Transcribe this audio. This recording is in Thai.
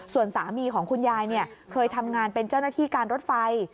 ส่วนสามีของคุณยายเคยทำงานเป็นเจ้าหน้าที่การรถไฟ